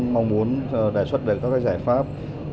mong muốn đề xuất các giải pháp